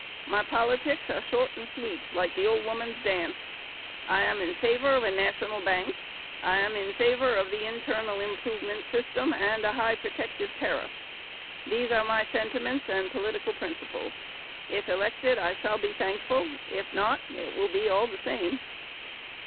My politics are short and sweet, like the old woman's dance. I am in favor of a national bank. I am in favor of the internal improvement system and a high protective tariff. These are my sentiments and political principles. If elected, I shall be thankful; if not, it will be all the same."